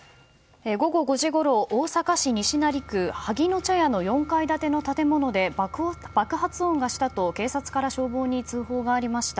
午後５時ごろ、大阪市西成区の４階建ての建物で爆発音がしたと警察から消防に通報がありました。